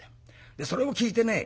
それを聞いてね